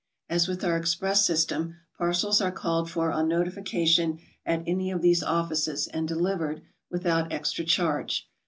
As with our express system, parcels are called for on notification at any of these offices, and delivered, with out extra charge.